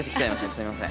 すいません。